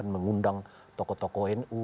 mengundang tokoh tokoh nu